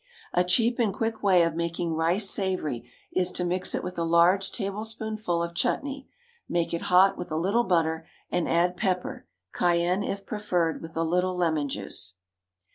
A cheap and quick way of making rice savoury is to mix it with a large tablespoonful of chutney; make it hot with a little butter, and add pepper cayenne if preferred and a little lemon juice.